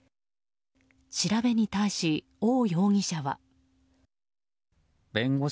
調べに対し、オウ容疑者は。